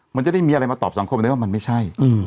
มันจะได้มีอะไรมาตอบสังคมได้ว่ามันไม่ใช่